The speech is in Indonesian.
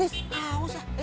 sama saya aja mas edi